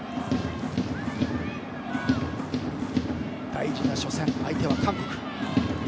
大事な初戦、相手は韓国。